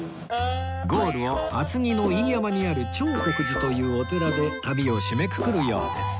ゴールを厚木の飯山にある長谷寺というお寺で旅を締めくくるようです